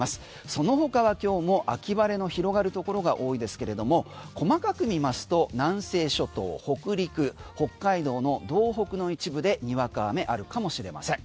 その他は今日も秋晴れの広がるところが多いですけれども細かく見ますと南西諸島、北陸北海道の道北の一部でにわか雨あるかもしれません。